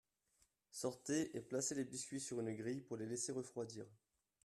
Sortez et placez les biscuits sur une grille pour les laisser refroidir.